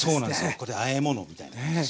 これであえ物みたいな感じしますね。